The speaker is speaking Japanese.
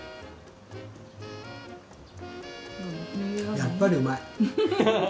やっぱりうまい。